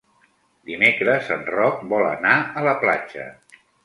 Dimecres en Roc vol anar a la platja.